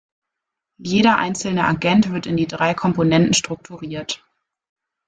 Jeder einzelne Agent wird in die drei Komponenten strukturiert.